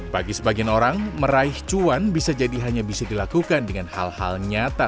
bagi sebagian orang meraih cuan bisa jadi hanya bisa dilakukan dengan hal hal nyata